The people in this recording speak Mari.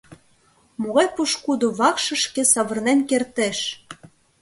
Могай пушкыдо вакшышке савырнен кертеш!